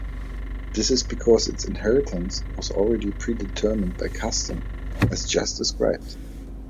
This is because its inheritance was already pre-determined by custom, as just described.